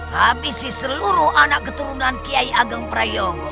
habisi seluruh anak keturunan kiai ageng prayogo